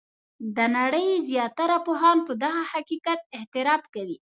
د نړۍ زیاتره پوهان په دغه حقیقت اعتراف کوي.